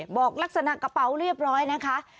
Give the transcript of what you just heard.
บอกลักษณะกระเป๋าเรียบร้อยนะคะ